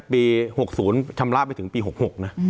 ปี๖๐ชำระไปถึงปี๖๖นะ